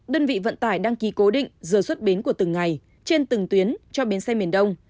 đơn vị vận tải đăng ký cố định giờ xuất bến của từng ngày trên từng tuyến cho bến xe miền đông